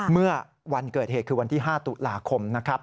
เมื่อวันเกิดเหตุคือวันที่๕ตุลาคมนะครับ